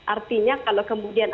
artinya kalau kemudian